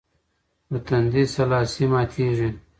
د تندي سلاسې ماتېږي.